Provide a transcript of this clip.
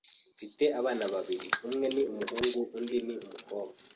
Mfite abana babiri. Umwe ni umuhungu undi ni umukobwa.